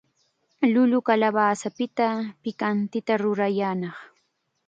Llullu kalawasapita pikantita rurayanqa.